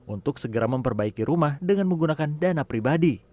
untuk segera memperbaiki rumah dengan menggunakan dana pribadi